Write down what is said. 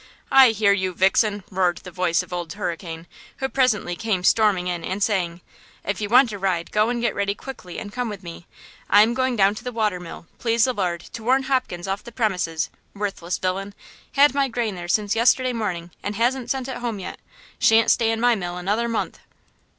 "I hear you, vixen!" roared the voice of Old Hurricane, who presently came storming in and saying: "If you want a ride go and get ready quickly, and come with me, I am going down to the water mill, please the Lord, to warn Hopkins off the premises, worthless villain! Had my grain there since yesterday morning and hasn't sent it home yet! Shan't stay in my mill another month!